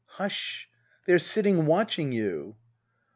Hush ! They are sitting watching you.